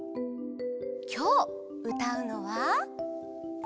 きょううたうのは「ゆき」。